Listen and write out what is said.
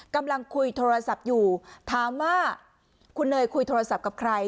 กำลังคุยโทรศัพท์อยู่ถามว่าคุณเนยคุยโทรศัพท์กับใคร